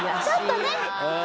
ちょっとね。